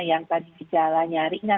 yang tadi dijala nyari